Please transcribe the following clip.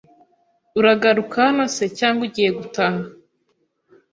Uragaruka hano se cyangwa ugiye gutaha.